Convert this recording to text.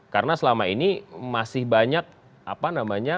karena selama ini masih banyak apa namanya